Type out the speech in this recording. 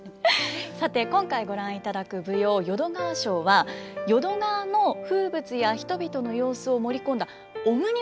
さて今回ご覧いただく舞踊「淀川抄」は淀川の風物や人々の様子を盛り込んだオムニバス形式なんです。